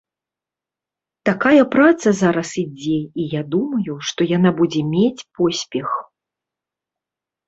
Такая праца зараз ідзе, і я думаю, што яна будзе мець поспех.